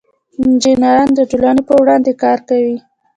انجینران د ټولنې په وړاندې کار کوي.